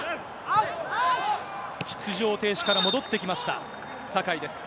出場停止から戻ってきました、酒井です。